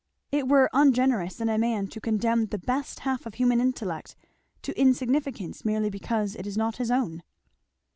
It were ungenerous, in man to condemn the best half of human intellect to insignificance merely because it is not his own."